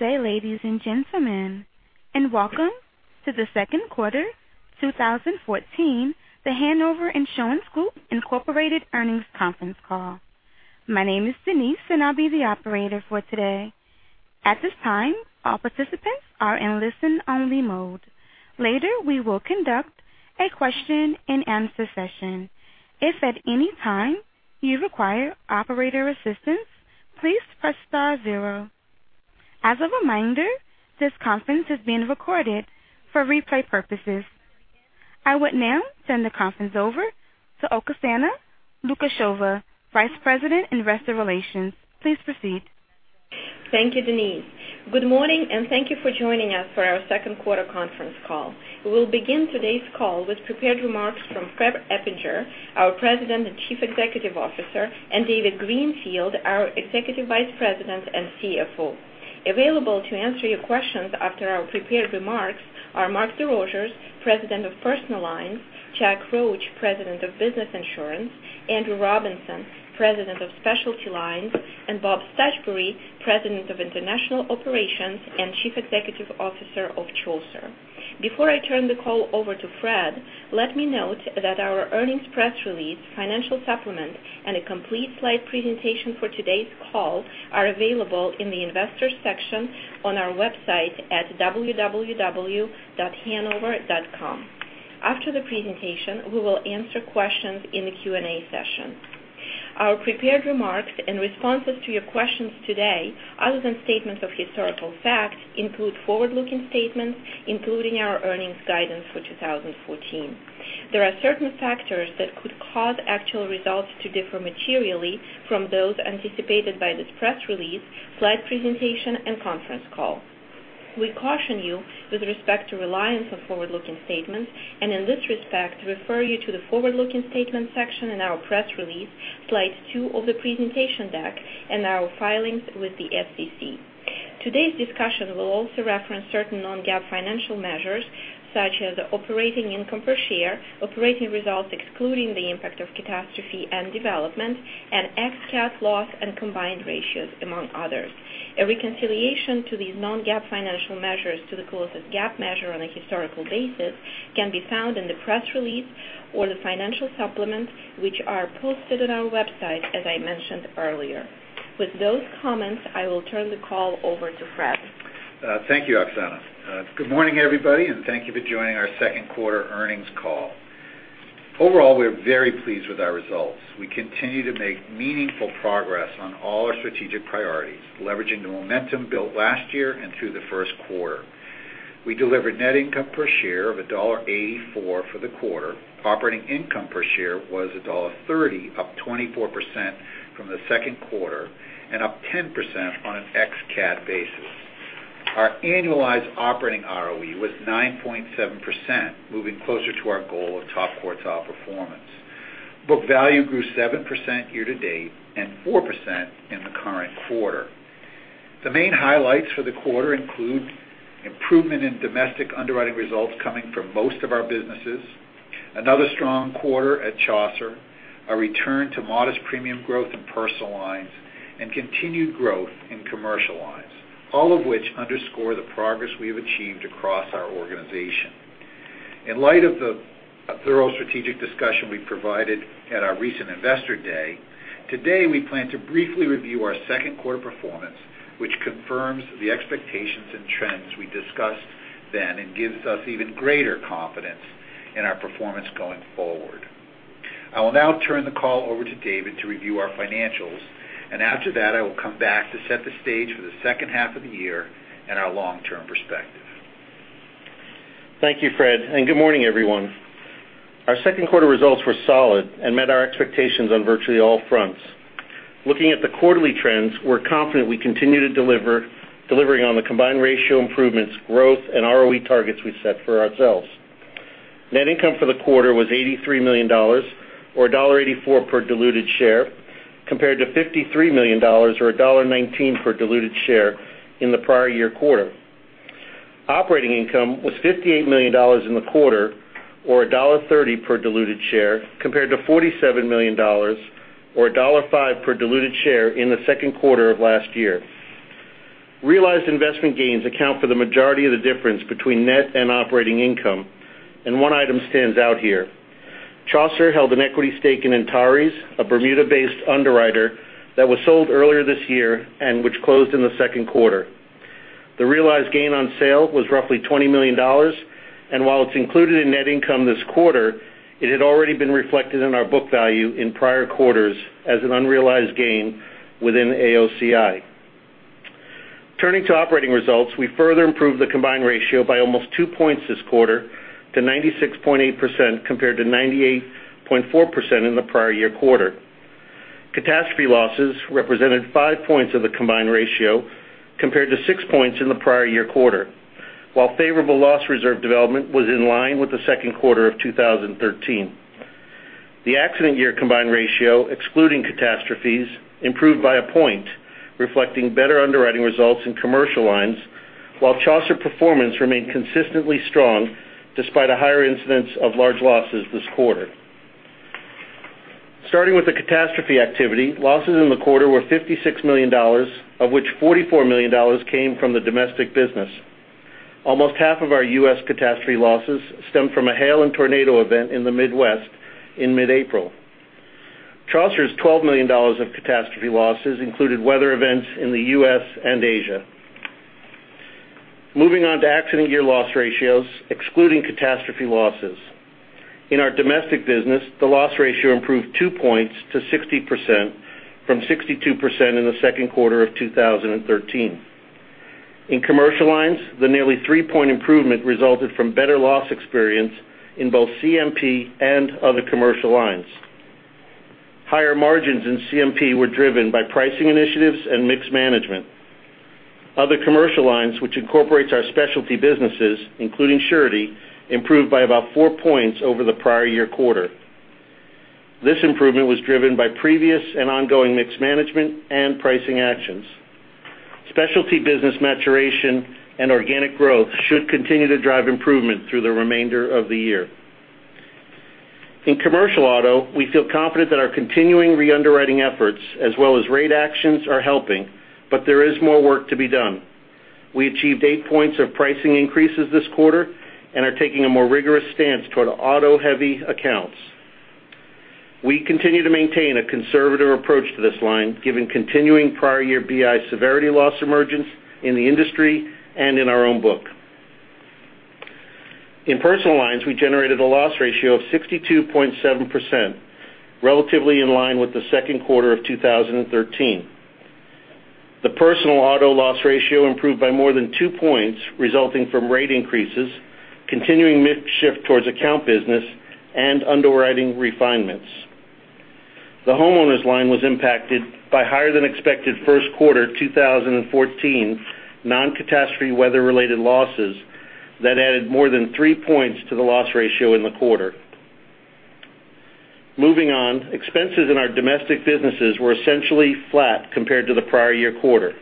Good day, ladies and gentlemen, and welcome to the second quarter 2014 The Hanover Insurance Group Incorporated earnings conference call. My name is Denise, and I will be the operator for today. At this time, all participants are in listen-only mode. Later, we will conduct a question-and-answer session. If at any time you require operator assistance, please press star zero. As a reminder, this conference is being recorded for replay purposes. I would now turn the conference over to Oksana Lukasheva, Vice President, Investor Relations. Please proceed. Thank you, Denise. Good morning, and thank you for joining us for our second quarter conference call. We will begin today's call with prepared remarks from Fred Eppinger, our President and Chief Executive Officer, and David Greenfield, our Executive Vice President and CFO. Available to answer your questions after our prepared remarks are Mark Desrochers, President of Personal Lines, Jack Roche, President of Business Insurance, Andrew Robinson, President of Specialty Lines, and Bob Stuchbery, President of International Operations and Chief Executive Officer of Chaucer. Before I turn the call over to Fred, let me note that our earnings press release, financial supplement, and a complete slide presentation for today's call are available in the investors section on our website at www.hanover.com. After the presentation, we will answer questions in the Q&A session. Our prepared remarks in responses to your questions today, other than statements of historical fact, include forward-looking statements, including our earnings guidance for 2014. There are certain factors that could cause actual results to differ materially from those anticipated by this press release, slide presentation, and conference call. We caution you with respect to reliance on forward-looking statements, and in this respect, refer you to the forward-looking statements section in our press release, slide two of the presentation deck, and our filings with the SEC. Today's discussion will also reference certain non-GAAP financial measures, such as operating income per share, operating results excluding the impact of catastrophe and development, and ex-CAT loss and combined ratios, among others. A reconciliation to these non-GAAP financial measures to the closest GAAP measure on a historical basis can be found in the press release or the financial supplements, which are posted on our website, as I mentioned earlier. With those comments, I will turn the call over to Fred. Thank you, Oksana. Good morning, everybody, thank you for joining our second quarter earnings call. Overall, we're very pleased with our results. We continue to make meaningful progress on all our strategic priorities, leveraging the momentum built last year and through the first quarter. We delivered net income per share of $1.84 for the quarter. Operating income per share was $1.30, up 24% from the second quarter and up 10% on an ex-CAT basis. Our annualized operating ROE was 9.7%, moving closer to our goal of top quartile performance. Book value grew 7% year to date and 4% in the current quarter. The main highlights for the quarter include improvement in domestic underwriting results coming from most of our businesses, another strong quarter at Chaucer, a return to modest premium growth in personal lines, and continued growth in commercial lines, all of which underscore the progress we have achieved across our organization. In light of the thorough strategic discussion we provided at our recent investor day, today we plan to briefly review our second quarter performance, which confirms the expectations and trends we discussed then and gives us even greater confidence in our performance going forward. I will now turn the call over to David to review our financials, after that, I will come back to set the stage for the second half of the year and our long-term perspective. Thank you, Fred, good morning, everyone. Our second quarter results were solid and met our expectations on virtually all fronts. Looking at the quarterly trends, we're confident we continue delivering on the combined ratio improvements, growth, and ROE targets we set for ourselves. Net income for the quarter was $83 million, or $1.84 per diluted share, compared to $53 million, or $1.19 per diluted share in the prior year quarter. Operating income was $58 million in the quarter, or $1.30 per diluted share, compared to $47 million, or $1.05 per diluted share in the second quarter of last year. Realized investment gains account for the majority of the difference between net and operating income, one item stands out here. Chaucer held an equity stake in Endurance, a Bermuda-based underwriter that was sold earlier this year and which closed in the second quarter. The realized gain on sale was roughly $20 million, while it's included in net income this quarter, it had already been reflected in our book value in prior quarters as an unrealized gain within AOCI. Turning to operating results, we further improved the combined ratio by almost 2 points this quarter to 96.8%, compared to 98.4% in the prior year quarter. Catastrophe losses represented 5 points of the combined ratio, compared to 6 points in the prior year quarter. While favorable loss reserve development was in line with the second quarter of 2013. The accident year combined ratio, excluding catastrophes, improved by a point reflecting better underwriting results in commercial lines, while Chaucer performance remained consistently strong despite a higher incidence of large losses this quarter. Starting with the catastrophe activity, losses in the quarter were $56 million, of which $44 million came from the domestic business. Almost half of our U.S. catastrophe losses stemmed from a hail and tornado event in the Midwest in mid-April. Chaucer's $12 million of catastrophe losses included weather events in the U.S. and Asia. Moving on to accident year loss ratios, excluding catastrophe losses. In our domestic business, the loss ratio improved two points to 60%, from 62% in the second quarter of 2013. In commercial lines, the nearly three-point improvement resulted from better loss experience in both CMP and other commercial lines. Higher margins in CMP were driven by pricing initiatives and mixed management. Other commercial lines, which incorporates our specialty businesses, including Surety, improved by about four points over the prior year quarter. This improvement was driven by previous and ongoing mixed management and pricing actions. Specialty business maturation and organic growth should continue to drive improvement through the remainder of the year. In commercial auto, we feel confident that our continuing re-underwriting efforts, as well as rate actions, are helping. There is more work to be done. We achieved eight points of pricing increases this quarter and are taking a more rigorous stance toward auto-heavy accounts. We continue to maintain a conservative approach to this line, given continuing prior year BI severity loss emergence in the industry and in our own book. In personal lines, we generated a loss ratio of 62.7%, relatively in line with the second quarter of 2013. The personal auto loss ratio improved by more than two points, resulting from rate increases, continuing mix shift towards account business, and underwriting refinements. The homeowners line was impacted by higher than expected first quarter 2014 non-catastrophe weather related losses that added more than three points to the loss ratio in the quarter. Moving on, expenses in our domestic businesses were essentially flat compared to the prior year quarter.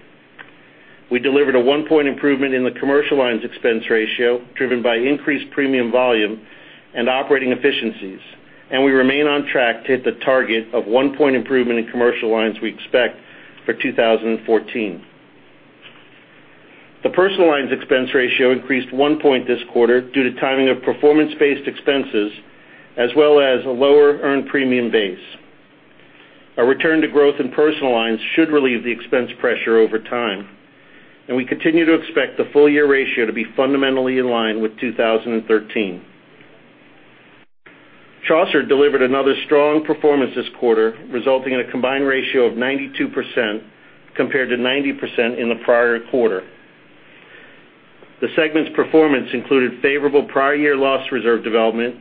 We delivered a one point improvement in the commercial lines expense ratio, driven by increased premium volume and operating efficiencies, and we remain on track to hit the target of one point improvement in commercial lines we expect for 2014. The personal lines expense ratio increased one point this quarter due to timing of performance-based expenses, as well as a lower earned premium base. A return to growth in personal lines should relieve the expense pressure over time. We continue to expect the full year ratio to be fundamentally in line with 2013. Chaucer delivered another strong performance this quarter, resulting in a combined ratio of 92% compared to 90% in the prior quarter. The segment's performance included favorable prior year loss reserve development,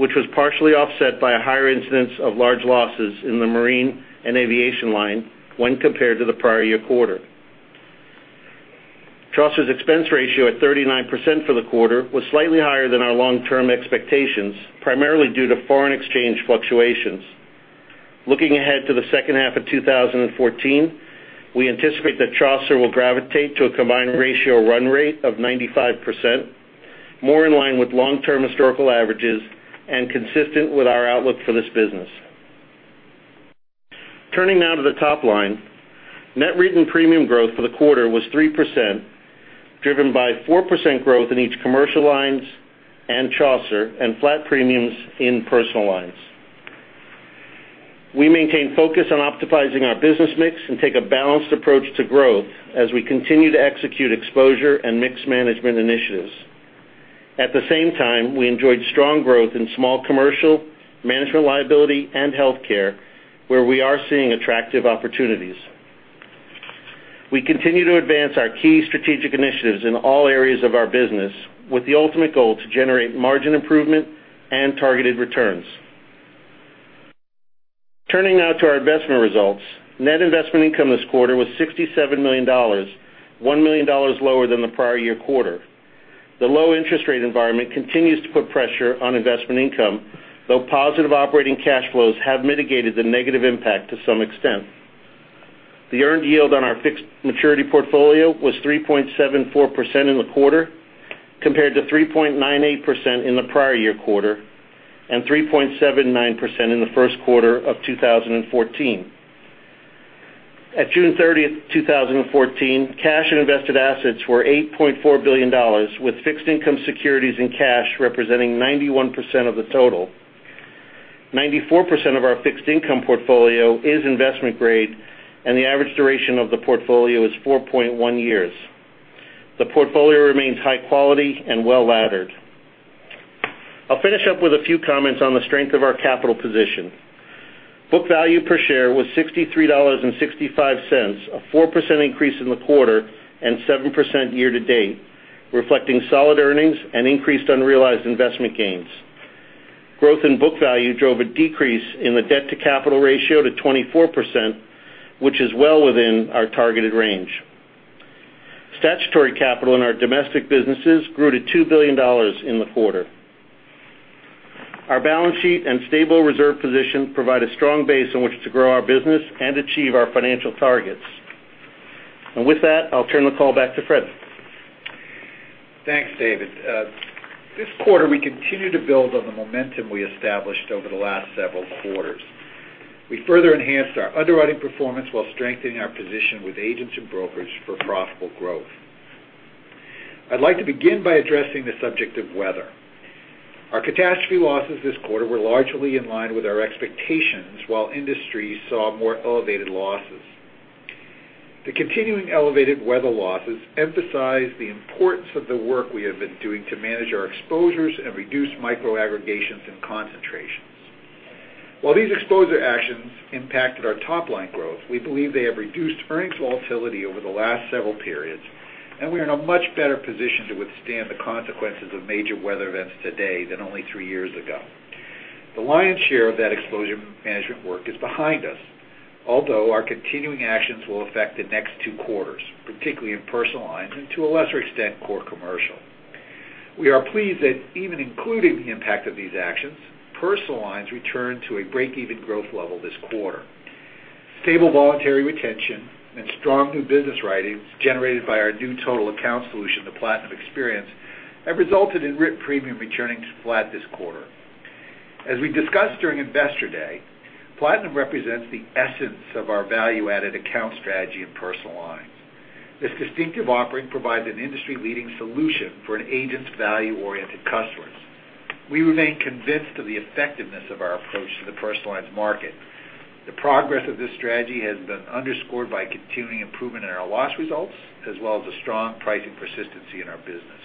which was partially offset by a higher incidence of large losses in the marine and aviation line when compared to the prior year quarter. Chaucer's expense ratio at 39% for the quarter was slightly higher than our long-term expectations, primarily due to foreign exchange fluctuations. Looking ahead to the second half of 2014, we anticipate that Chaucer will gravitate to a combined ratio run rate of 95%, more in line with long-term historical averages and consistent with our outlook for this business. Turning now to the top line. Net written premium growth for the quarter was 3%, driven by 4% growth in each commercial lines and Chaucer, and flat premiums in personal lines. We maintain focus on optimizing our business mix and take a balanced approach to growth as we continue to execute exposure and mix management initiatives. At the same time, we enjoyed strong growth in small commercial, management liability and healthcare, where we are seeing attractive opportunities. We continue to advance our key strategic initiatives in all areas of our business with the ultimate goal to generate margin improvement and targeted returns. Turning now to our investment results. Net investment income this quarter was $67 million, $1 million lower than the prior year quarter. The low interest rate environment continues to put pressure on investment income, though positive operating cash flows have mitigated the negative impact to some extent. The earned yield on our fixed maturity portfolio was 3.74% in the quarter, compared to 3.98% in the prior year quarter and 3.79% in the first quarter of 2014. At June 30th, 2014, cash and invested assets were $8.4 billion, with fixed income securities and cash representing 91% of the total. 94% of our fixed income portfolio is investment grade, and the average duration of the portfolio is 4.1 years. The portfolio remains high quality and well laddered. I'll finish up with a few comments on the strength of our capital position. Book value per share was $63.65, a 4% increase in the quarter and 7% year to date, reflecting solid earnings and increased unrealized investment gains. Growth in book value drove a decrease in the debt to capital ratio to 24%, which is well within our targeted range. Statutory capital in our domestic businesses grew to $2 billion in the quarter. Our balance sheet and stable reserve position provide a strong base on which to grow our business and achieve our financial targets. With that, I'll turn the call back to Fred. Thanks, David. This quarter, we continued to build on the momentum we established over the last several quarters. We further enhanced our underwriting performance while strengthening our position with agents and brokers for profitable growth. I'd like to begin by addressing the subject of weather. Our catastrophe losses this quarter were largely in line with our expectations while industry saw more elevated losses. The continuing elevated weather losses emphasize the importance of the work we have been doing to manage our exposures and reduce microaggregations and concentrations. While these exposure actions impacted our top-line growth, we believe they have reduced earnings volatility over the last several periods, and we are in a much better position to withstand the consequences of major weather events today than only three years ago. The lion's share of that exposure management work is behind us, although our continuing actions will affect the next two quarters, particularly in personal lines and to a lesser extent, core commercial. We are pleased that even including the impact of these actions, personal lines returned to a break-even growth level this quarter. Stable voluntary retention and strong new business writings generated by our new total account solution, The Platinum Experience, have resulted in writ premium returning to flat this quarter. As we discussed during Investor Day, Platinum represents the essence of our value-added account strategy in personal lines. This distinctive offering provides an industry-leading solution for an agent's value-oriented customers. We remain convinced of the effectiveness of our approach to the personal lines market. The progress of this strategy has been underscored by continuing improvement in our loss results, as well as a strong pricing persistency in our business.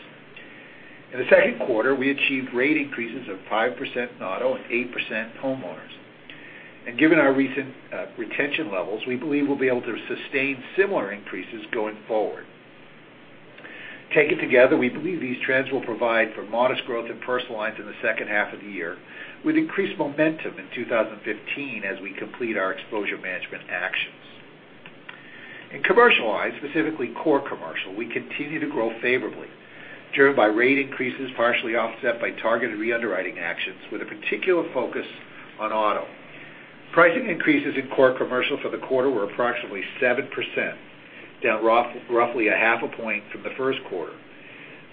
In the second quarter, we achieved rate increases of 5% in auto and 8% in homeowners. Given our recent retention levels, we believe we'll be able to sustain similar increases going forward. Taken together, we believe these trends will provide for modest growth in personal lines in the second half of the year, with increased momentum in 2015 as we complete our exposure management actions. In commercial lines, specifically core commercial, we continue to grow favorably, driven by rate increases partially offset by targeted re-underwriting actions with a particular focus on auto. Pricing increases in core commercial for the quarter were approximately 7%, down roughly a half a point from the first quarter.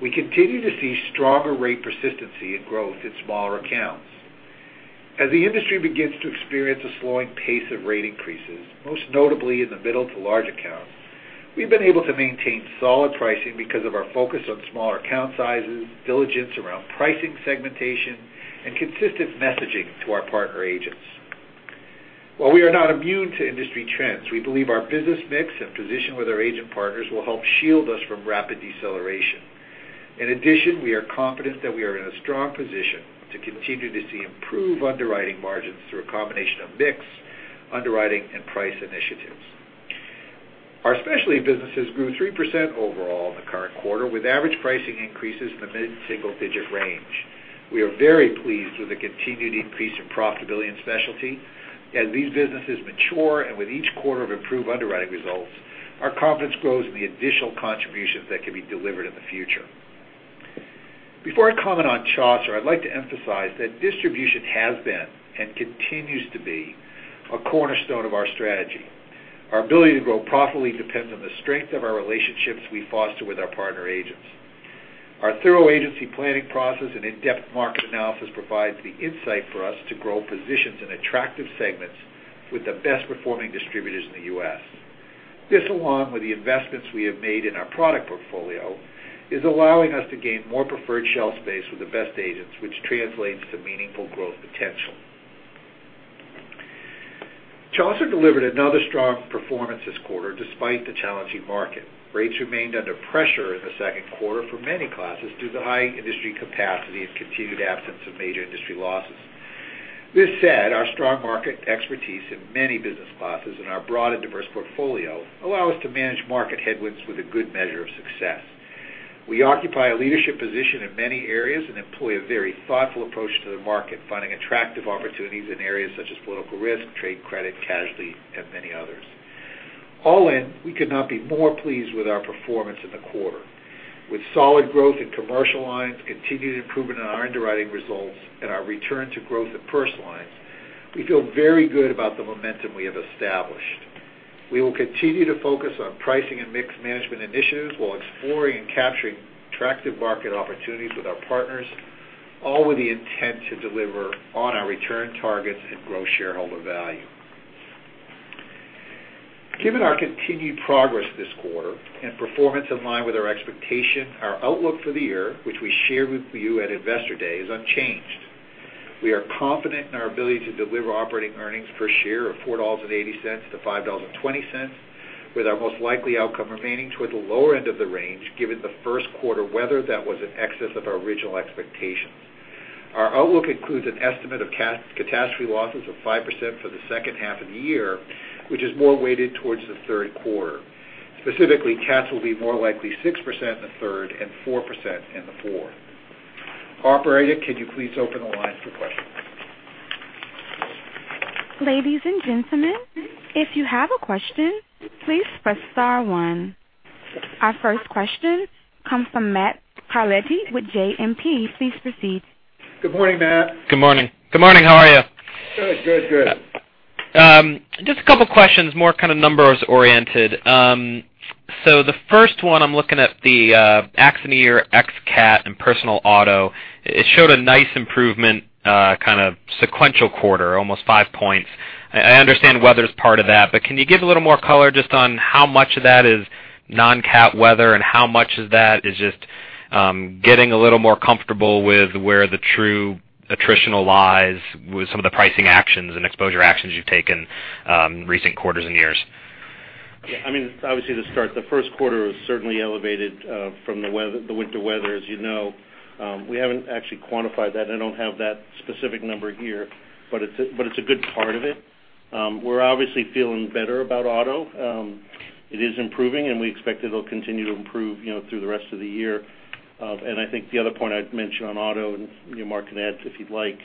We continue to see stronger rate persistency and growth in smaller accounts. As the industry begins to experience a slowing pace of rate increases, most notably in the middle to large accounts, we've been able to maintain solid pricing because of our focus on smaller account sizes, diligence around pricing segmentation, and consistent messaging to our partner agents. While we are not immune to industry trends, we believe our business mix and position with our agent partners will help shield us from rapid deceleration. In addition, we are confident that we are in a strong position to continue to see improved underwriting margins through a combination of mix, underwriting, and price initiatives. Our specialty businesses grew 3% overall in the current quarter, with average pricing increases in the mid-single-digit range. We are very pleased with the continued increase in profitability in specialty. As these businesses mature and with each quarter of improved underwriting results, our confidence grows in the additional contributions that can be delivered in the future. Before I comment on Chaucer, I'd like to emphasize that distribution has been and continues to be a cornerstone of our strategy. Our ability to grow profitably depends on the strength of our relationships we foster with our partner agents. Our thorough agency planning process and in-depth market analysis provides the insight for us to grow positions in attractive segments with the best performing distributors in the U.S. This, along with the investments we have made in our product portfolio, is allowing us to gain more preferred shelf space with the best agents, which translates to meaningful growth potential. Chaucer delivered another strong performance this quarter despite the challenging market. Rates remained under pressure in the second quarter for many classes due to high industry capacity and continued absence of major industry losses. This said, our strong market expertise in many business classes and our broad and diverse portfolio allow us to manage market headwinds with a good measure of success. We occupy a leadership position in many areas and employ a very thoughtful approach to the market, finding attractive opportunities in areas such as political risk, trade credit, casualty, and many others. All in, we could not be more pleased with our performance in the quarter. With solid growth in commercial lines, continued improvement in our underwriting results, and our return to growth in personal lines, we feel very good about the momentum we have established. We will continue to focus on pricing and mix management initiatives while exploring and capturing attractive market opportunities with our partners, all with the intent to deliver on our return targets and grow shareholder value. Given our continued progress this quarter and performance in line with our expectation, our outlook for the year, which we shared with you at Investor Day, is unchanged. We are confident in our ability to deliver operating earnings per share of $4.80 to $5.20, with our most likely outcome remaining toward the lower end of the range, given the first quarter weather that was in excess of our original expectations. Our outlook includes an estimate of catastrophe losses of 5% for the second half of the year, which is more weighted towards the third quarter. Specifically, cats will be more likely 6% in the third and 4% in the fourth. Operator, can you please open the line for questions? Ladies and gentlemen, if you have a question, please press star one. Our first question comes from Matthew Carletti with JMP. Please proceed. Good morning, Matt. Good morning. Good morning. How are you? Good. The first one, I'm looking at the accident year, ex-CAT, and personal auto. It showed a nice improvement, sequential quarter, almost five points. I understand weather is part of that, but can you give a little more color just on how much of that is non-CAT weather and how much of that is just getting a little more comfortable with where the true attritional lies with some of the pricing actions and exposure actions you've taken recent quarters and years? Yeah. Obviously, to start, the first quarter was certainly elevated from the winter weather, as you know. We haven't actually quantified that, and I don't have that specific number here, but it's a good part of it. We're obviously feeling better about auto. It is improving, and we expect it'll continue to improve through the rest of the year. I think the other point I'd mention on auto, and Mark can add to if he'd like.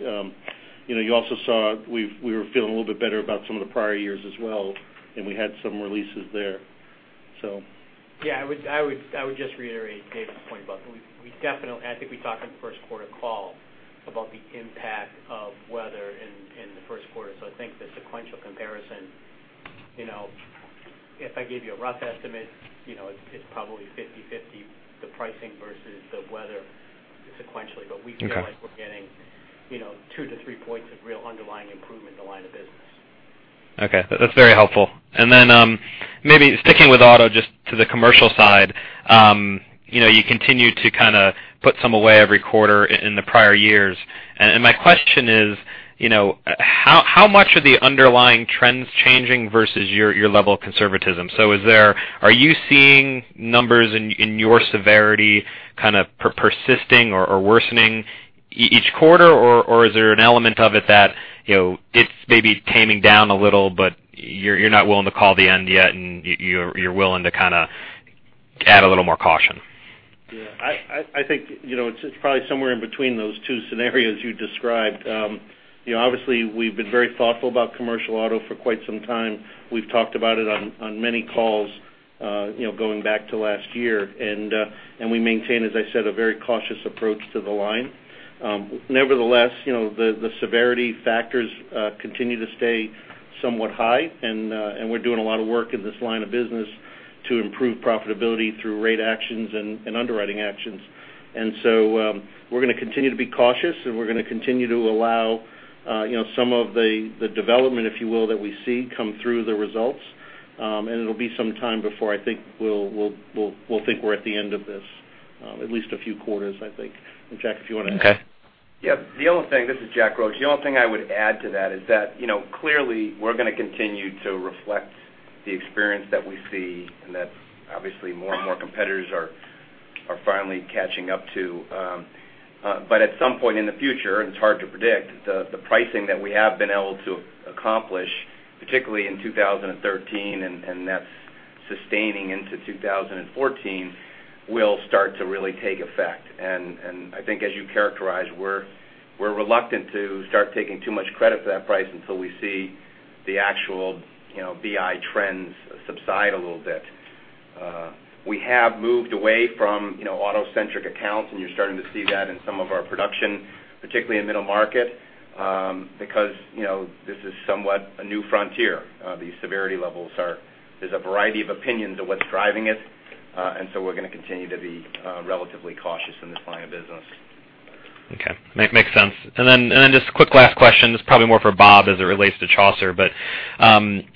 You also saw we were feeling a little bit better about some of the prior years as well, and we had some releases there. Yeah, I would just reiterate David's point about I think we talked on the first quarter call about the impact of weather in the first quarter. I think the sequential comparison, if I gave you a rough estimate, it's probably 50/50, the pricing versus the weather sequentially. Okay. We feel like we're getting two to three points of real underlying improvement in the line of business. Okay. That's very helpful. Maybe sticking with auto, just to the commercial side. You continue to put some away every quarter in the prior years. My question is, how much are the underlying trends changing versus your level of conservatism? Are you seeing numbers in your severity persisting or worsening each quarter, or is there an element of it that it's maybe taming down a little, but you're not willing to call the end yet, and you're willing to add a little more caution? Yeah. I think it's probably somewhere in between those two scenarios you described. Obviously, we've been very thoughtful about commercial auto for quite some time. We've talked about it on many calls, going back to last year. We maintain, as I said, a very cautious approach to the line. Nevertheless, the severity factors continue to stay somewhat high, and we're doing a lot of work in this line of business to improve profitability through rate actions and underwriting actions. We're going to continue to be cautious, and we're going to continue to allow some of the development, if you will, that we see come through the results. It'll be some time before, I think, we'll think we're at the end of this. At least a few quarters, I think. Jack, if you want to add. Okay. Yeah. This is Jack Roche. The only thing I would add to that is that clearly we're going to continue to reflect the experience that we see, and that obviously more and more competitors are finally catching up to. At some point in the future, and it's hard to predict, the pricing that we have been able to accomplish, particularly in 2013, and that's sustaining into 2014, will start to really take effect. I think as you characterize, we're reluctant to start taking too much credit for that price until we see the actual BI trends subside a little bit. We have moved away from auto-centric accounts, and you're starting to see that in some of our production, particularly in middle market, because this is somewhat a new frontier. These severity levels are, there's a variety of opinions of what's driving it. We're going to continue to be relatively cautious in this line of business. Okay. Makes sense. Just a quick last question. This is probably more for Bob as it relates to Chaucer.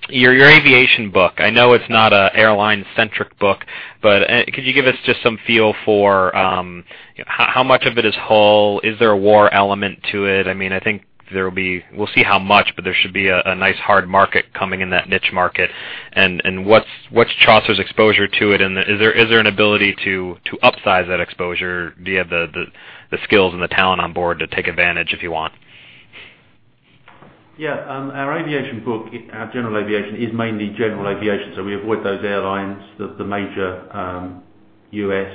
Your aviation book, I know it's not an airline centric book, but could you give us just some feel for how much of it is hull? Is there a war element to it? I think we'll see how much, but there should be a nice hard market coming in that niche market. What's Chaucer's exposure to it, and is there an ability to upsize that exposure via the skills and the talent on board to take advantage if you want? Yeah. Our aviation book, our general aviation is mainly general aviation, so we avoid those airlines, the major U.S.,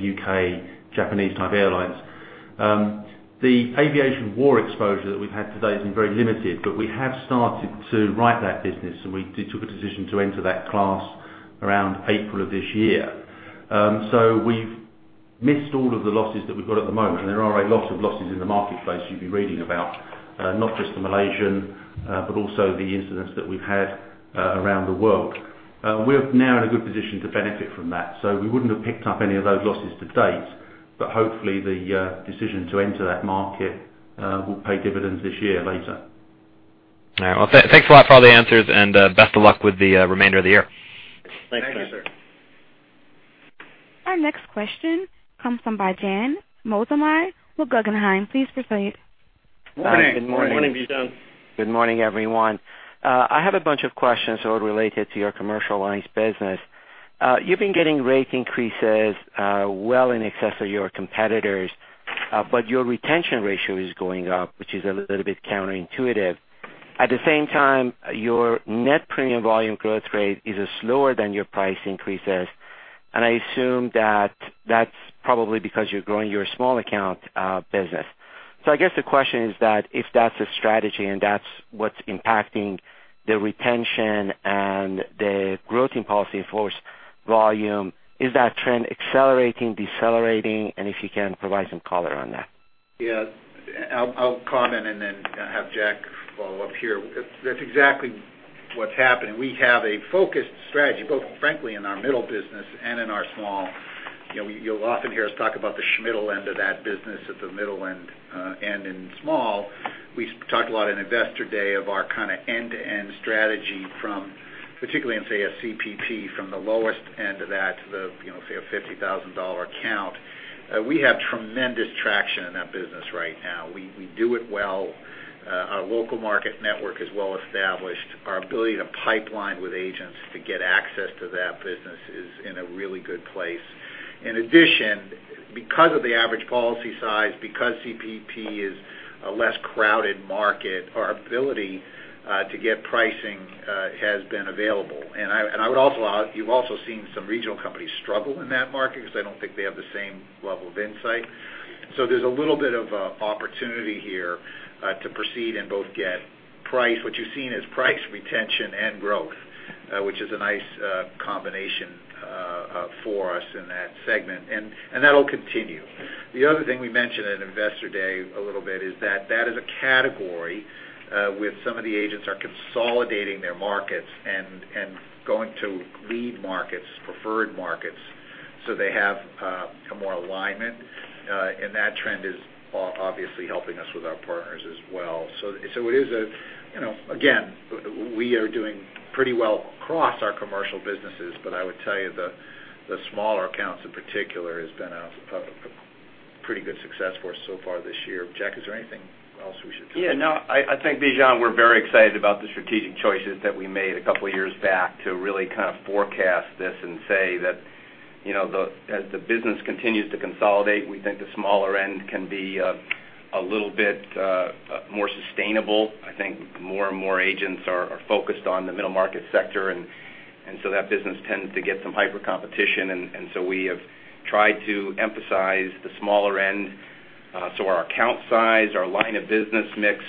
U.K., Japanese type airlines. The aviation war exposure that we've had to date has been very limited, but we have started to write that business, and we took a decision to enter that class around April of this year. We've missed all of the losses that we've got at the moment, and there are a lot of losses in the marketplace you'd be reading about, not just the Malaysian, but also the incidents that we've had around the world. We're now in a good position to benefit from that. We wouldn't have picked up any of those losses to date, but hopefully the decision to enter that market will pay dividends this year later. All right. Well, thanks a lot for all the answers, best of luck with the remainder of the year. Thanks. Thank you, sir. Our next question comes from Bijan Moazami with Guggenheim. Please proceed. Morning. Good morning. Good morning, Bijan. Good morning, everyone. I have a bunch of questions all related to your commercial lines business. You've been getting rate increases well in excess of your competitors, but your retention ratio is going up, which is a little bit counterintuitive. At the same time, your net premium volume growth rate is slower than your price increases. I assume that that's probably because you're growing your small account business. I guess the question is that if that's a strategy and that's what's impacting the retention and the growth in policy in force volume, is that trend accelerating, decelerating? If you can provide some color on that. Yes. I'll comment and then have Jack follow up here. That's exactly what's happening. We have a focused strategy, both frankly in our middle business and in our small. You'll often hear us talk about the small-to-middle end of that business at the middle end and in small. We talked a lot at Investor Day of our kind of end-to-end strategy from, particularly in, say, a CMP from the lowest end of that to the, say, a $50,000 account. We have tremendous traction in that business right now. We do it well. Our local market network is well-established. Our ability to pipeline with agents to get access to that business is in a really good place. In addition, because of the average policy size, because CMP is a less crowded market, our ability to get pricing has been available. You've also seen some regional companies struggle in that market because they don't think they have the same level of insight. There's a little bit of opportunity here to proceed and both get price. What you've seen is price retention and growth, which is a nice combination for us in that segment, and that'll continue. The other thing we mentioned at Investor Day a little bit is that is a category with some of the agents are consolidating their markets and going to lead markets, preferred markets, so they have more alignment. That trend is obviously helping us with our partners as well. Again, we are doing pretty well across our commercial businesses, but I would tell you the smaller accounts in particular has been a pretty good success for us so far this year. Jack, is there anything else we should talk about? Yeah, no, I think, Bijan, we're very excited about the strategic choices that we made a couple of years back to really kind of forecast this and say that as the business continues to consolidate, we think the smaller end can be a little bit more sustainable. I think more and more agents are focused on the middle market sector, and that business tends to get some hyper competition. We have tried to emphasize the smaller end. Our account size, our line of business mix,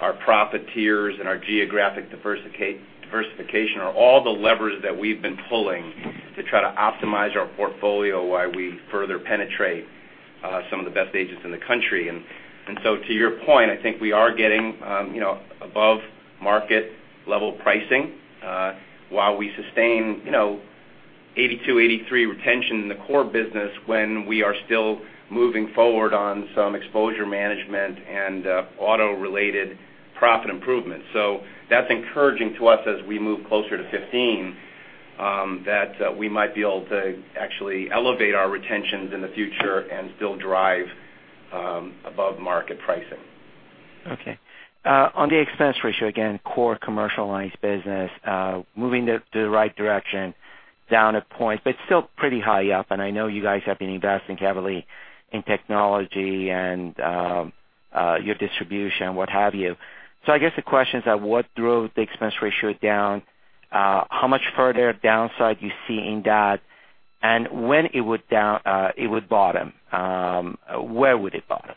our profit tiers, and our geographic diversification are all the levers that we've been pulling to try to optimize our portfolio while we further penetrate some of the best agents in the country. To your point, I think we are getting above market level pricing while we sustain 82%-83% retention in the core business when we are still moving forward on some exposure management and auto-related profit improvement. That's encouraging to us as we move closer to 2015, that we might be able to actually elevate our retentions in the future and still drive above market pricing. Okay. On the expense ratio, again, core commercial lines business moving to the right direction down 1 point, but still pretty high up. I know you guys have been investing heavily in technology and your distribution, what have you. I guess the question is that what drove the expense ratio down, how much further downside you see in that, and when it would bottom, where would it bottom?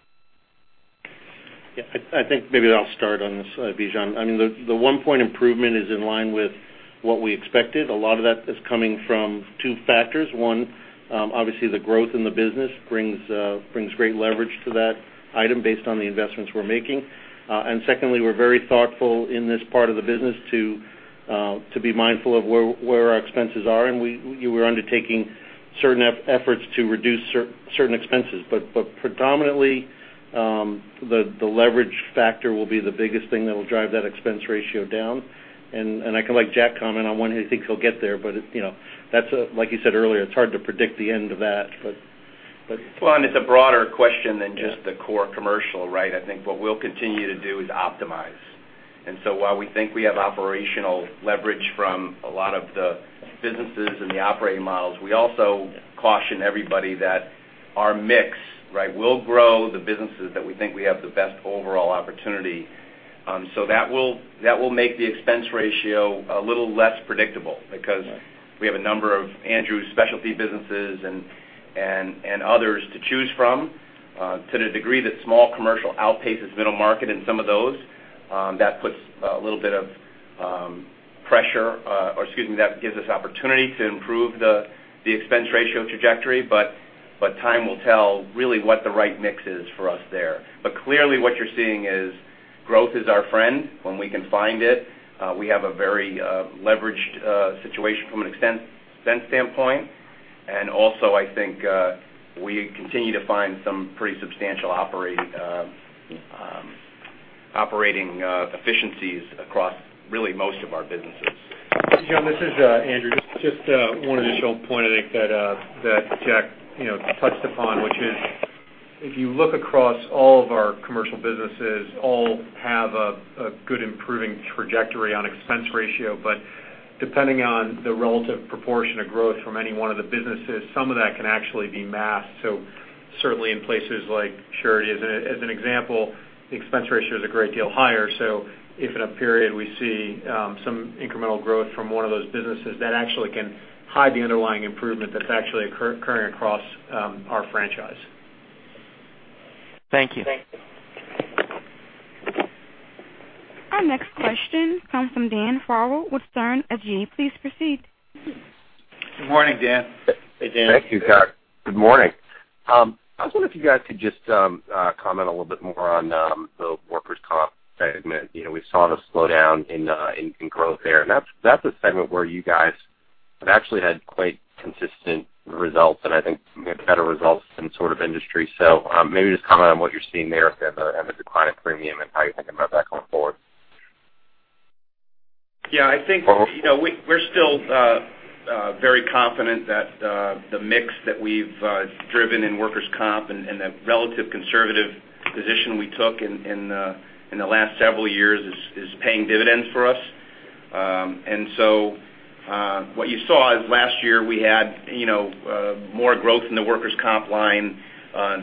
Yeah, I think maybe I'll start on this, Bijan. The 1 point improvement is in line with what we expected. A lot of that is coming from 2 factors. One, obviously the growth in the business brings great leverage to that item based on the investments we're making. Secondly, we're very thoughtful in this part of the business to be mindful of where our expenses are, and we're undertaking certain efforts to reduce certain expenses. Predominantly, the leverage factor will be the biggest thing that will drive that expense ratio down. I can let Jack comment on when he thinks he'll get there, but like you said earlier, it's hard to predict the end of that. Well, it's a broader question than just the core commercial, right? I think what we'll continue to do is optimize. While we think we have operational leverage from a lot of the businesses and the operating models, we also caution everybody that our mix will grow the businesses that we think we have the best overall opportunity. That will make the expense ratio a little less predictable because we have a number of Andrew's specialty businesses and others to choose from to the degree that small commercial outpaces middle market in some of those. That gives us opportunity to improve the expense ratio trajectory, but time will tell really what the right mix is for us there. Clearly what you're seeing is growth is our friend when we can find it. We have a very leveraged situation from an expense standpoint. Also, I think we continue to find some pretty substantial operating efficiencies across really most of our businesses. Bijan, this is Andrew. Just one additional point I think that Jack touched upon, which is if you look across all of our commercial businesses, all have a good improving trajectory on expense ratio, depending on the relative proportion of growth from any one of the businesses, some of that can actually be masked. Certainly in places like Surety as an example, the expense ratio is a great deal higher. If in a period we see some incremental growth from one of those businesses, that actually can hide the underlying improvement that's actually occurring across our franchise. Thank you. Our next question comes from Dan Farrell with Sterne Agee. Please proceed. Good morning, Dan. Hey, Dan. Thank you, John. Good morning. I was wondering if you guys could just comment a little bit more on the workers' comp segment. We saw the slowdown in growth there, and that's a segment where you guys have actually had quite consistent results, and I think maybe better results than sort of industry. Maybe just comment on what you're seeing there with the decline of premium and how you're thinking about that going forward. Yeah, I think, we're still very confident that the mix that we've driven in workers' comp and the relative conservative position we took in the last several years is paying dividends for us. What you saw is last year we had more growth in the workers' comp line.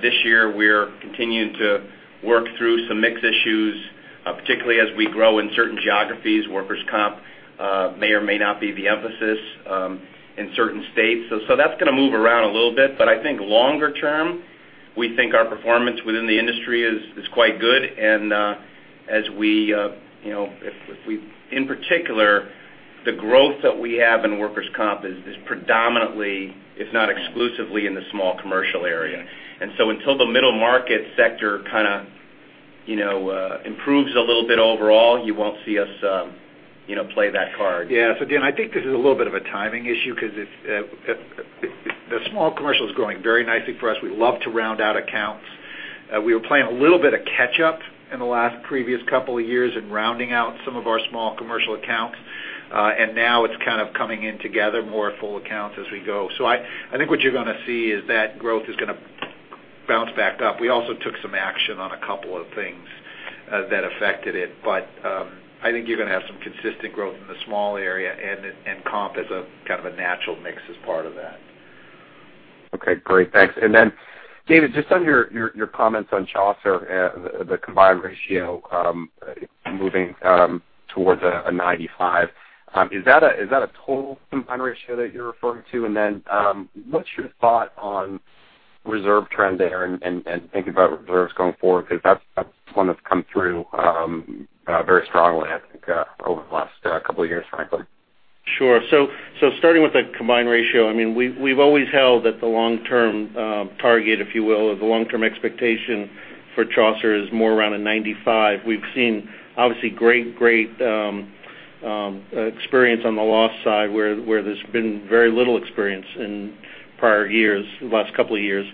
This year, we're continuing to work through some mix issues, particularly as we grow in certain geographies. Workers' comp may or may not be the emphasis in certain states. That's going to move around a little bit, but I think longer term, we think our performance within the industry is quite good. In particular, the growth that we have in workers' comp is predominantly, if not exclusively, in the small commercial area. Until the middle market sector kind of improves a little bit overall, you won't see us play that card. Yeah. Dan, I think this is a little bit of a timing issue because the small commercial is growing very nicely for us. We love to round out accounts. We were playing a little bit of catch up in the last previous couple of years in rounding out some of our small commercial accounts. Now it's kind of coming in together, more full accounts as we go. I think what you're going to see is that growth is going to bounce back up. We also took some action on a couple of things that affected it. I think you're going to have some consistent growth in the small area, and comp is a kind of a natural mix as part of that. Okay, great. Thanks. David, just on your comments on Chaucer, the combined ratio moving towards a 95. Is that a total combined ratio that you're referring to? What's your thought on reserve trend there and thinking about reserves going forward? Because that's one that's come through very strongly, I think, over the last couple of years, frankly. Sure. Starting with the combined ratio, we've always held that the long-term target, if you will, or the long-term expectation for Chaucer is more around a 95. We've seen obviously great experience on the loss side, where there's been very little experience in prior years, the last couple of years.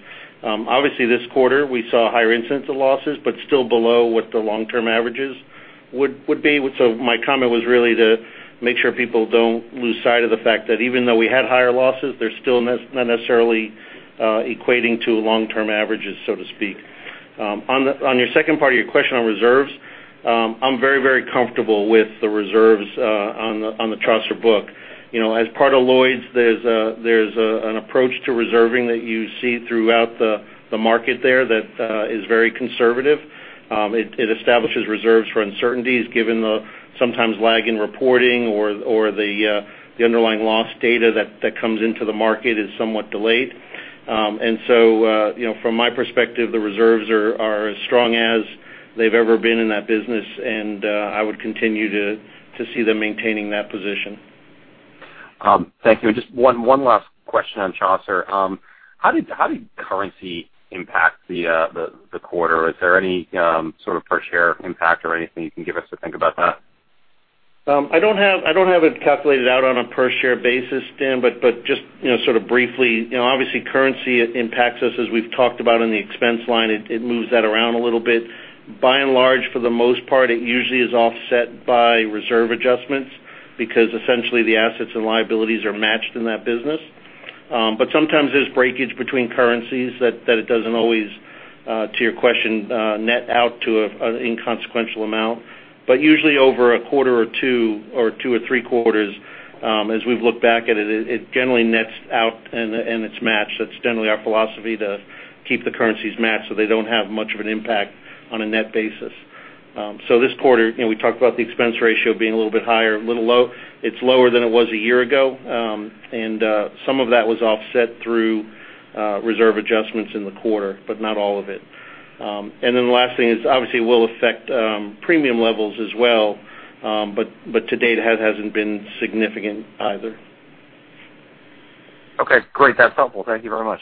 Obviously, this quarter, we saw a higher incidence of losses, but still below what the long-term averages would be. My comment was really to make sure people don't lose sight of the fact that even though we had higher losses, they're still not necessarily equating to long-term averages, so to speak. On your second part of your question on reserves, I'm very comfortable with the reserves on the Chaucer book. As part of Lloyd's, there's an approach to reserving that you see throughout the market there that is very conservative. It establishes reserves for uncertainties given the sometimes lag in reporting or the underlying loss data that comes into the market is somewhat delayed. From my perspective, the reserves are as strong as they've ever been in that business, and I would continue to see them maintaining that position. Thank you. Just one last question on Chaucer. How did currency impact the quarter? Is there any sort of per share impact or anything you can give us to think about that? I don't have it calculated out on a per share basis, Dan, just sort of briefly, obviously currency impacts us as we've talked about on the expense line. It moves that around a little bit. By and large, for the most part, it usually is offset by reserve adjustments because essentially the assets and liabilities are matched in that business. Sometimes there's breakage between currencies that it doesn't always, to your question, net out to an inconsequential amount. Usually over a quarter or two, or two or three quarters, as we've looked back at it generally nets out and it's matched. That's generally our philosophy to keep the currencies matched so they don't have much of an impact on a net basis. This quarter, we talked about the expense ratio being a little bit higher, a little low. It's lower than it was a year ago. Some of that was offset through reserve adjustments in the quarter, but not all of it. The last thing is obviously will affect premium levels as well. To date, it hasn't been significant either. Okay, great. That's helpful. Thank you very much.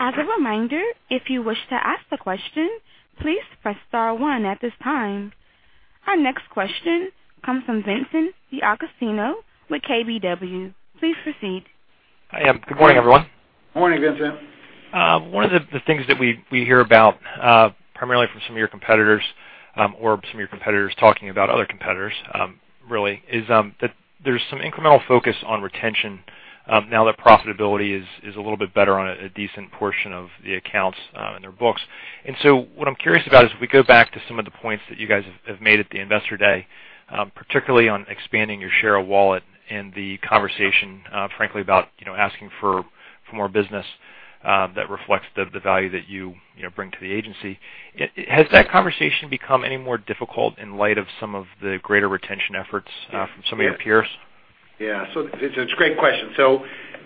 As a reminder, if you wish to ask a question, please press star one at this time. Our next question comes from Vincent DeAugustino with KBW. Please proceed. Hi, good morning, everyone. Morning, Vincent. One of the things that we hear about, primarily from some of your competitors, or some of your competitors talking about other competitors really, is that there's some incremental focus on retention now that profitability is a little bit better on a decent portion of the accounts in their books. What I'm curious about is if we go back to some of the points that you guys have made at the Investor Day, particularly on expanding your share of wallet and the conversation, frankly about asking for more business that reflects the value that you bring to the agency. Has that conversation become any more difficult in light of some of the greater retention efforts from some of your peers? Yeah. It's a great question.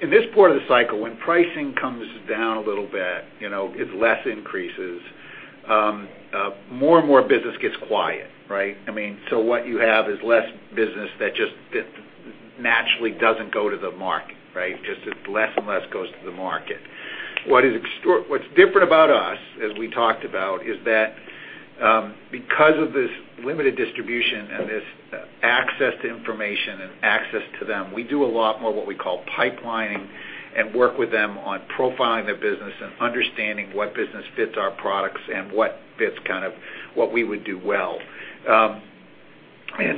In this part of the cycle, when pricing comes down a little bit, it's less increases. More and more business gets quiet, right? What you have is less business that just naturally doesn't go to the market, right? Just less and less goes to the market. What's different about us, as we talked about, is that because of this limited distribution and this access to information and access to them, we do a lot more what we call pipelining and work with them on profiling their business and understanding what business fits our products and what fits what we would do well.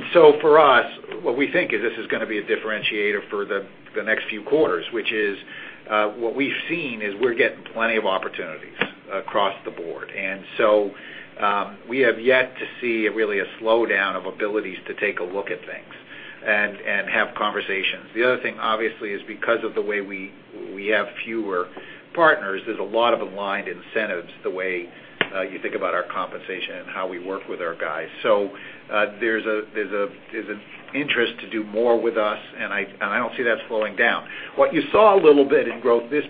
For us, what we think is this is going to be a differentiator for the next few quarters, which is what we've seen is we're getting plenty of opportunities across the board. We have yet to see really a slowdown of abilities to take a look at things and have conversations. The other thing, obviously, is because of the way we have fewer partners, there's a lot of aligned incentives the way you think about our compensation and how we work with our guys. There's an interest to do more with us, and I don't see that slowing down. What you saw a little bit in growth this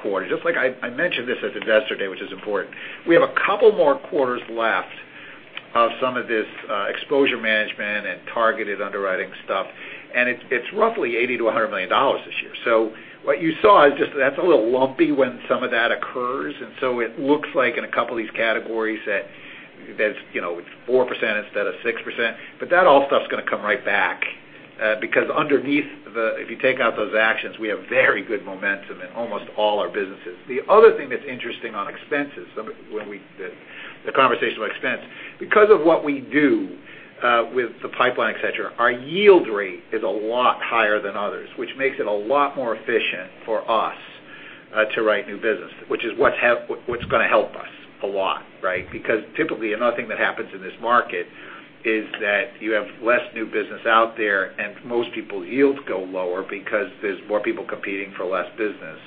quarter, just like I mentioned this at Investor Day, which is important, we have a couple more quarters left of some of this exposure management and targeted underwriting stuff, and it's roughly $80 million-$100 million this year. What you saw is just that's a little lumpy when some of that occurs, and it looks like in a couple of these categories that it's 4% instead of 6%, but that all stuff's going to come right back. Underneath, if you take out those actions, we have very good momentum in almost all our businesses. The other thing that's interesting on expenses, the conversation about expense. Of what we do with the pipeline, et cetera, our yield rate is a lot higher than others, which makes it a lot more efficient for us to write new business, which is what's going to help us a lot, right? Typically, another thing that happens in this market is that you have less new business out there, and most people's yields go lower because there's more people competing for less business.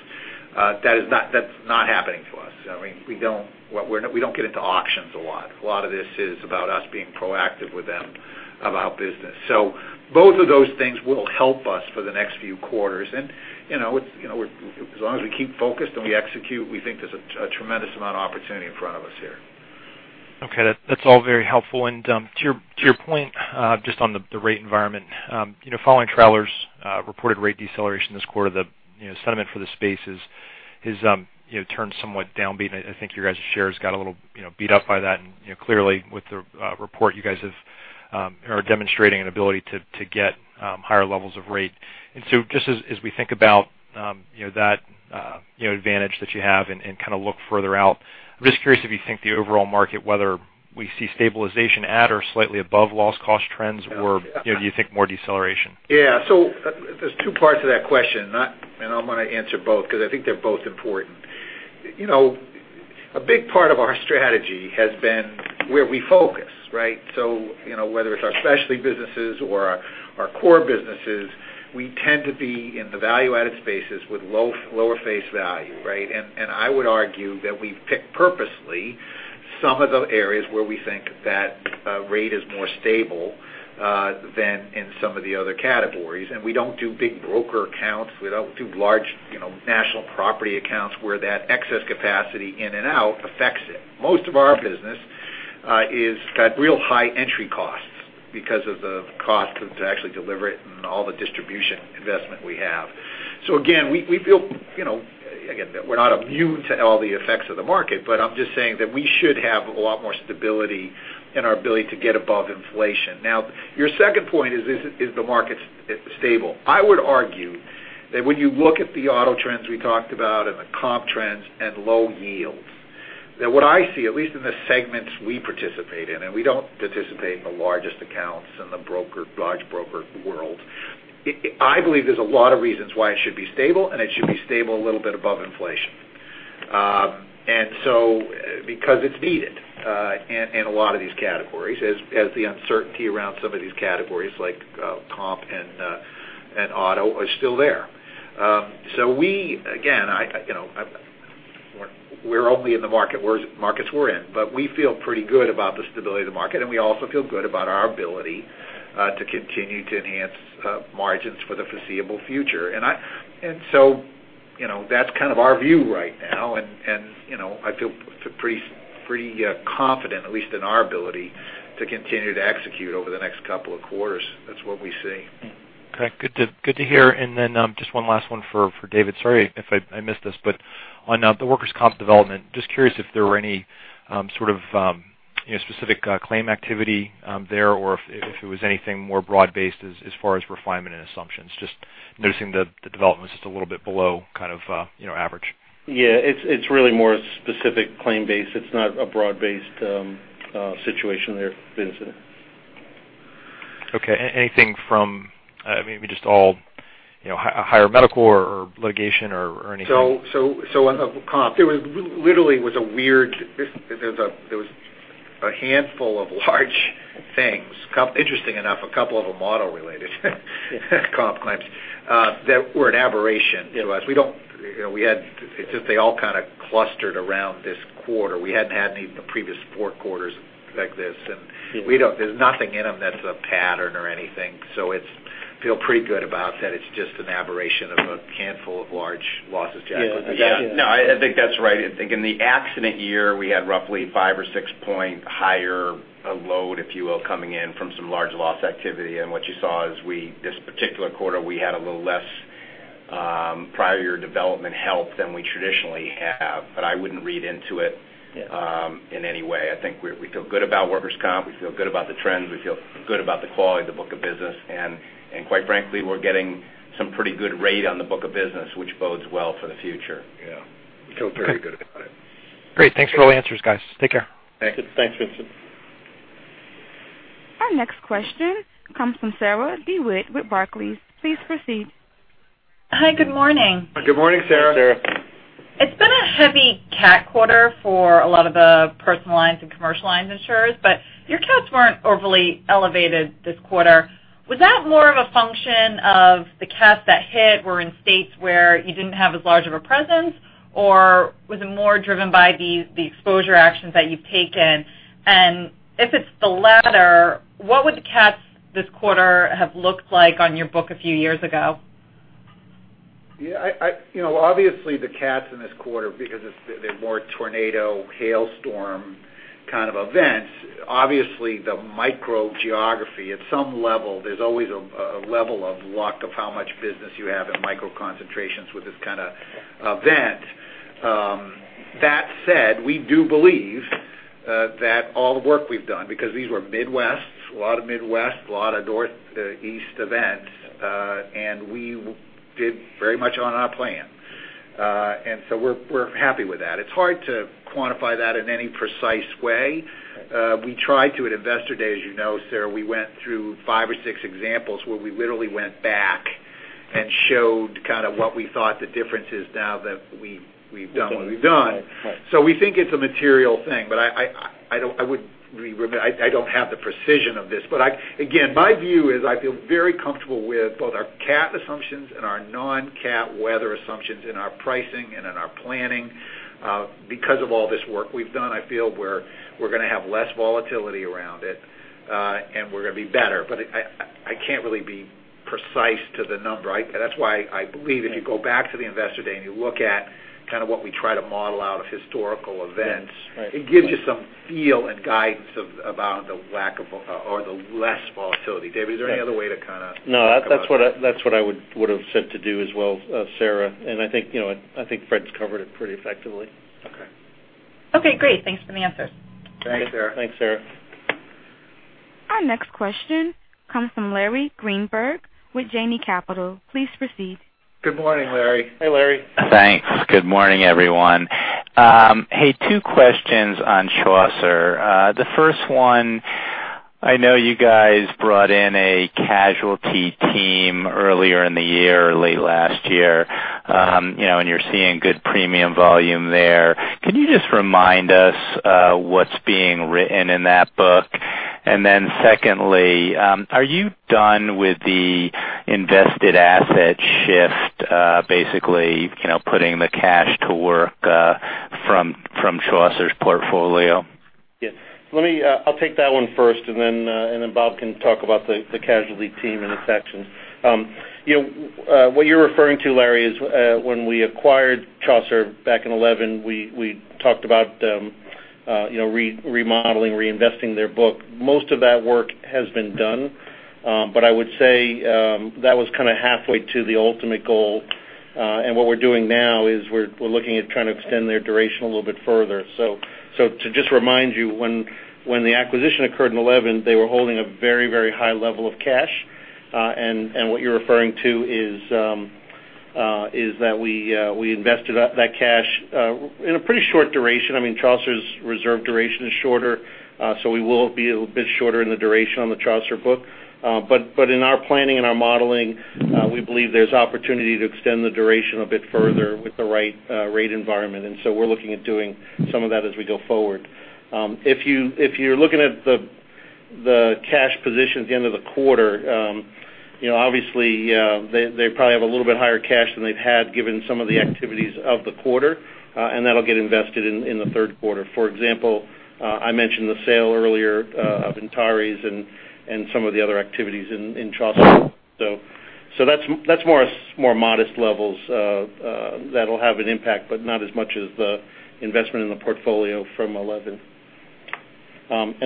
That's not happening to us. We don't get into auctions a lot. A lot of this is about us being proactive with them about business. Both of those things will help us for the next few quarters. As long as we keep focused and we execute, we think there's a tremendous amount of opportunity in front of us here. To your point, just on the rate environment, following Travelers' reported rate deceleration this quarter, the sentiment for the space has turned somewhat downbeat. I think your guys' shares got a little beat up by that, clearly with the report, you guys are demonstrating an ability to get higher levels of rate. Just as we think about that advantage that you have and kind of look further out, I'm just curious if you think the overall market, whether we see stabilization at or slightly above loss cost trends, or do you think more deceleration? Yeah. There's two parts to that question, I'm going to answer both because I think they're both important. A big part of our strategy has been where we focus, right? Whether it's our specialty businesses or our core businesses, we tend to be in the value-added spaces with lower face value, right? I would argue that we pick purposely some of the areas where we think that rate is more stable than in some of the other categories. We don't do big broker accounts, we don't do large national property accounts where that excess capacity in and out affects it. Most of our business has got real high entry costs because of the cost to actually deliver it and all the distribution investment we have. Again, we're not immune to all the effects of the market, but I'm just saying that we should have a lot more stability in our ability to get above inflation. Now, your second point is the market's stable. I would argue that when you look at the auto trends we talked about and the comp trends and low yields, that what I see, at least in the segments we participate in, and we don't participate in the largest accounts in the large broker world. I believe there's a lot of reasons why it should be stable, and it should be stable a little bit above inflation. Because it's needed in a lot of these categories, as the uncertainty around some of these categories, like comp and auto are still there. Again, we're only in the markets we're in, but we feel pretty good about the stability of the market, and we also feel good about our ability to continue to enhance margins for the foreseeable future. That's kind of our view right now, I feel pretty confident, at least in our ability to continue to execute over the next couple of quarters. That's what we see. Okay. Good to hear. Just one last one for David. Sorry if I missed this, on the workers' comp development, just curious if there were any sort of specific claim activity there, or if it was anything more broad-based as far as refinement and assumptions. Just noticing the development's just a little bit below kind of average. Yeah. It's really more specific claim-based. It's not a broad-based situation there, Vincent. Okay. Anything from maybe just all higher medical or litigation or anything? On comp, there was literally a handful of large things. Interesting enough, a couple of them auto-related comp claims. That were an aberration. It was. It's just they all kind of clustered around this quarter. We hadn't had any in the previous four quarters like this. Yeah. There's nothing in them that's a pattern or anything. Feel pretty good about that. It's just an aberration of a handful of large losses stacked together. Yeah. No, I think that's right. I think in the accident year, we had roughly five or six point higher load, if you will, coming in from some large loss activity. What you saw is this particular quarter, we had a little less prior year development help than we traditionally have. I wouldn't read into it. Yeah in any way. I think we feel good about workers' comp, we feel good about the trends, we feel good about the quality of the book of business. Quite frankly, we're getting some pretty good rate on the book of business, which bodes well for the future. Yeah. Feel very good about it. Great. Thanks for all the answers, guys. Take care. Thanks. Thanks, Vincent. Our next question comes from Sarah DeWitt with Barclays. Please proceed. Hi. Good morning. Good morning, Sarah. Good morning, Sarah. It's been a heavy cat quarter for a lot of the personal lines and commercial lines insurers, but your cats weren't overly elevated this quarter. Was that more of a function of the cats that hit were in states where you didn't have as large of a presence, or was it more driven by the exposure actions that you've taken? If it's the latter, what would the cats this quarter have looked like on your book a few years ago? Obviously, the cats in this quarter, because they're more tornado, hailstorm kind of events, obviously the micro geography, at some level, there's always a level of luck of how much business you have in micro concentrations with this kind of event. That said, we do believe that all the work we've done, because these were Midwest, a lot of Midwest, a lot of Northeast events, we did very much on our plan. We're happy with that. It's hard to quantify that in any precise way. We tried to at Investor Day. As you know, Sarah, we went through five or six examples where we literally went back and showed kind of what we thought the difference is now that we've done what we've done. Right. We think it's a material thing, but I don't have the precision of this. Again, my view is I feel very comfortable with both our cat assumptions and our non-cat weather assumptions in our pricing and in our planning. Because of all this work we've done, I feel we're going to have less volatility around it, and we're going to be better. I can't really be precise to the number. That's why I believe if you go back to the Investor Day and you look at kind of what we try to model out of historical events. Right It gives you some feel and guidance about the lack of, or the less volatility. David, is there any other way to kind of talk about that? No, that's what I would've said to do as well, Sarah. I think Fred's covered it pretty effectively. Okay. Okay, great. Thanks for the answers. Thanks, Sarah. Thanks, Sarah. Our next question comes from Larry Greenberg with Janney Capital. Please proceed. Good morning, Larry. Hey, Larry. Thanks. Good morning, everyone. Hey, two questions on Chaucer. The first one, I know you guys brought in a casualty team earlier in the year or late last year, and you're seeing good premium volume there. Can you just remind us what's being written in that book? Then secondly, are you done with the invested asset shift, basically putting the cash to work from Chaucer's portfolio? Yes. I'll take that one first. Then Bob can talk about the casualty team and its actions. What you're referring to, Larry, is when we acquired Chaucer back in 2011, we talked about remodeling, reinvesting their book. Most of that work has been done. I would say that was kind of halfway to the ultimate goal. What we're doing now is we're looking at trying to extend their duration a little bit further. To just remind you, when the acquisition occurred in 2011, they were holding a very high level of cash. What you're referring to is that we invested that cash in a pretty short duration. I mean, Chaucer's reserve duration is shorter, we will be a bit shorter in the duration on the Chaucer book. In our planning and our modeling, we believe there's opportunity to extend the duration a bit further with the right rate environment. We're looking at doing some of that as we go forward. If you're looking at the cash position at the end of the quarter, obviously, they probably have a little bit higher cash than they've had given some of the activities of the quarter, and that'll get invested in the third quarter. For example, I mentioned the sale earlier of Intaris and some of the other activities in Chaucer. That's more modest levels that'll have an impact, but not as much as the investment in the portfolio from 2011.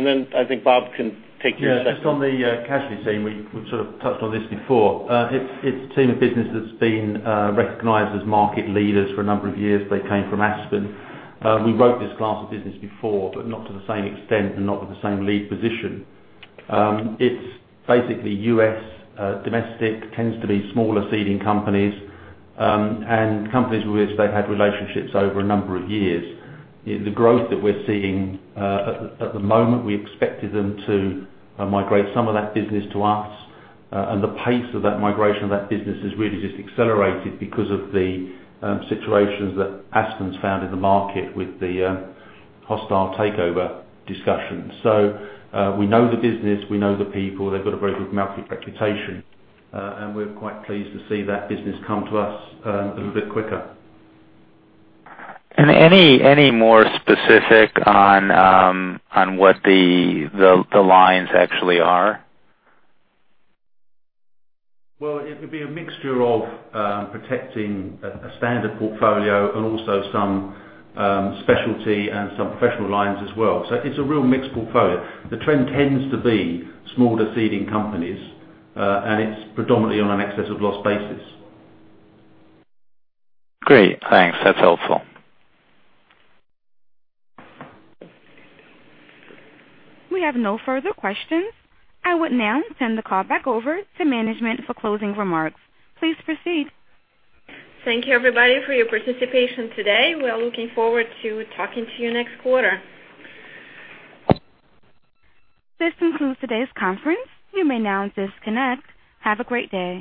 Then I think Bob can take your second one. Just on the casualty team, we've sort of touched on this before. It's a team of businesses that's been recognized as market leaders for a number of years. They came from Aspen. We wrote this class of business before, but not to the same extent and not with the same lead position. It's basically U.S. domestic, tends to be smaller seeding companies, and companies with which they've had relationships over a number of years. The growth that we're seeing at the moment, we expected them to migrate some of that business to us. The pace of that migration of that business has really just accelerated because of the situations that Aspen's found in the market with the hostile takeover discussion. We know the business, we know the people. They've got a very good market reputation. We're quite pleased to see that business come to us a little bit quicker. Any more specific on what the lines actually are? Well, it would be a mixture of protecting a standard portfolio and also some specialty and some professional lines as well. It's a real mixed portfolio. The trend tends to be smaller seeding companies, and it's predominantly on an excess of loss basis. Great. Thanks. That's helpful. We have no further questions. I would now turn the call back over to management for closing remarks. Please proceed. Thank you everybody for your participation today. We are looking forward to talking to you next quarter. This concludes today's conference. You may now disconnect. Have a great day.